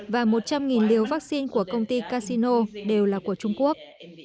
và một trăm linh liều vaccine của công ty casino đều là của trung quốc